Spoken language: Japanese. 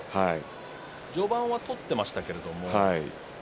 序盤も取っていましたけれども。